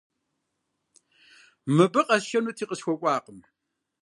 Мыбы къэсшэнути, къысхуэкӀуакъым.